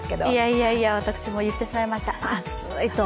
いやいや、私も言ってしまいました、暑いと。